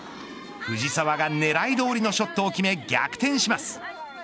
藤澤が狙いどおりのショットを決め逆転します。